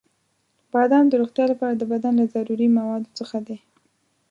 • بادام د روغتیا لپاره د بدن له ضروري موادو څخه دی.